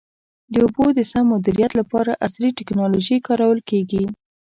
د اوبو د سم مدیریت لپاره عصري ټکنالوژي کارول کېږي.